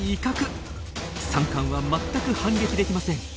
サンカンは全く反撃できません。